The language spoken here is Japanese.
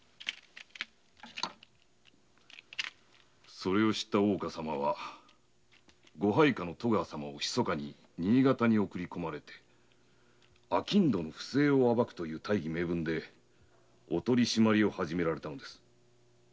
それを知った大岡様はご配下の戸川様を密かに新潟に送り込み商人の不正を暴くという大義名分で取締りを始めました。